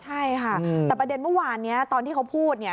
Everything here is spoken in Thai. ใช่ค่ะแต่ประเด็นเมื่อวานนี้ตอนที่เขาพูดเนี่ย